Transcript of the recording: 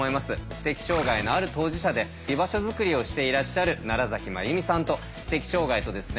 知的障害のある当事者で居場所づくりをしていらっしゃる奈良真弓さんと知的障害とですね